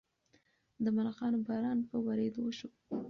د ملخانو باران په ورېدو شو.